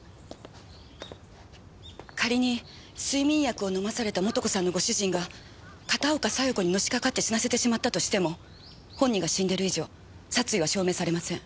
仮に睡眠薬を飲まされた素子さんのご主人が片岡小夜子にのしかかって死なせてしまったとしても本人が死んでる以上殺意は証明されません。